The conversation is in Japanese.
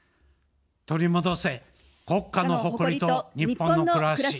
取り戻せ国家の誇りと日本のくらし。